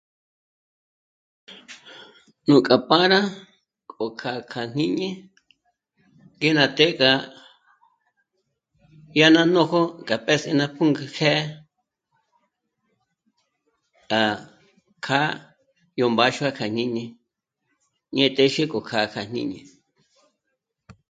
Nú'k'a p'árá k'o kjâ'a kja jñíni é ná té gá dyà ná nójo k'a p'és'í ná pǔnk'ü jè'e à kjâ'a yó mbáxua kja jñíni ñé'étje jéño kjâ'a kja jñíni